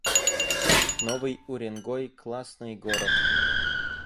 Новый Уренгой — классный город